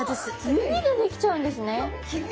指でできちゃうんですね。